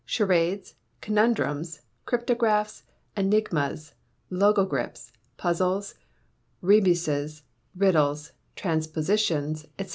Charades, Conundrums, Cryptographs, Enigmas, Logogriphs, Puzzles, Rebuses, Riddles, Transpositions, &c.